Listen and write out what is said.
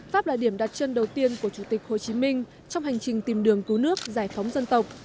pháp là điểm đặt chân đầu tiên của chủ tịch hồ chí minh trong hành trình tìm đường cứu nước giải phóng dân tộc